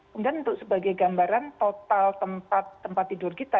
kemudian untuk sebagai gambaran total tempat tidur kita